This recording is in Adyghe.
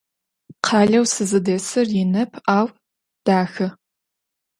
Khaleu sızıdesır yinep, au daxe.